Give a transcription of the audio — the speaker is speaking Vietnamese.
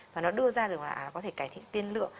và nó đưa ra được hòa có thể cải thiện tiên lượng